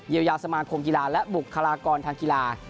ยาสมาคมกีฬาและบุคลากรทางกีฬา